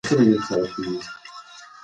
په کلي کې د اوبو ویالې ډېرې روانې دي.